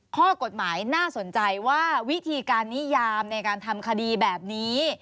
ข้อกฎหมายน่าสนใจว่าวิธีการนิยามในการทำคดีแบบนี้